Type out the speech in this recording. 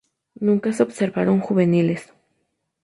Nunca se observaron juveniles.